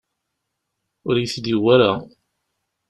Ur iyi-t-id-yuwi ara.